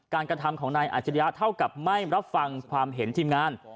กระทำของนายอาจริยะเท่ากับไม่รับฟังความเห็นทีมงาน